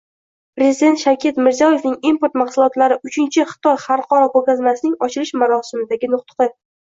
Prezident Shavkat Mirziyoyevning Import mahsulotlari uchinchi Xitoy xalqaro ko‘rgazmasining ochilish marosimidagi nutqi